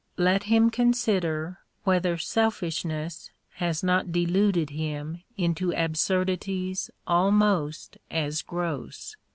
Let him consider whether selfishness has not deluded him into absurdities almost as gross.